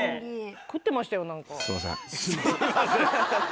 食ってましたよ何か。